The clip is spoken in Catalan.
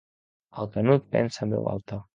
El Canut pensa en veu alta.